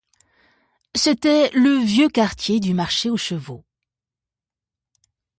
C’était le vieux quartier du Marché-aux-Chevaux.